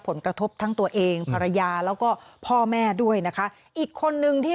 ผลกระทบทั้งตัวเองภรรยาแล้วก็พ่อแม่ด้วยนะคะอีกคนนึงที่